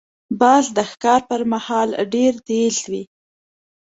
باز د ښکار پر مهال ډېر تیز وي